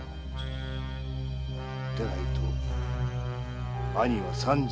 でないと兄は三尺